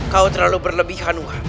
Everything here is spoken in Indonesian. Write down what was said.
kau terlalu berlebihan nur